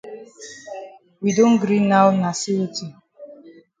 We don gree now na say weti?